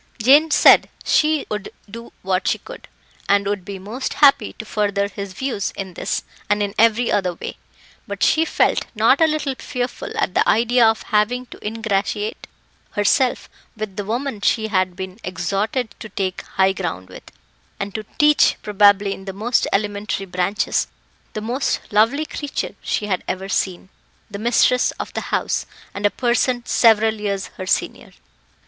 Jane said she would do what she could, and would be most happy to further his views in this and in every other way; but she felt not a little fearful at the idea of having to ingratiate herself with the woman she had been exhorted to take high ground with, and to teach, probably in the most elementary branches, the most lovely creature she had ever seen, the mistress of the house, and a person several years her senior.